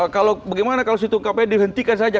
kalau bagaimana kalau si tung kpu dihentikan saja